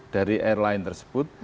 dari airline tersebut